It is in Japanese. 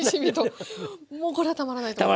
もうこれはたまらないと思います。